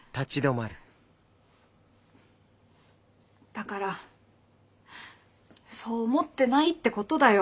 だからそう思ってないってことだよ